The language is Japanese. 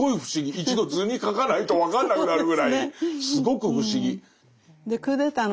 一度図に描かないと分かんなくなるぐらいすごく不思議。